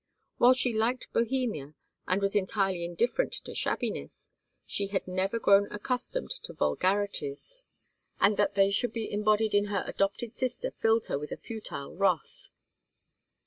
While she liked Bohemia and was entirely indifferent to shabbiness, she had never grown accustomed to vulgarities, and that they should be embodied in her adopted sister filled her with a futile wrath.